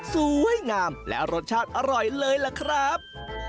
สวยงามและรสชาติอร่อยเลยล่ะครับ